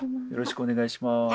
よろしくお願いします。